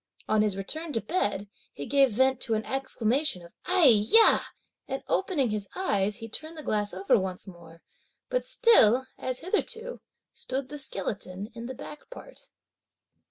On his return to bed, he gave vent to an exclamation of "Ai yah!" and opening his eyes, he turned the glass over once more; but still, as hitherto, stood the skeleton in the back part.